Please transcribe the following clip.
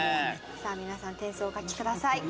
さあ皆さん点数をお書きください。